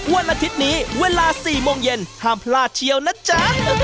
วันอาทิตย์นี้เวลา๔โมงเย็นห้ามพลาดเชียวนะจ๊ะ